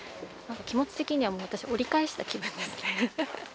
何か気持ち的にはもう私折り返した気分ですね。